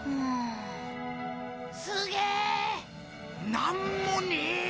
なんもねえ！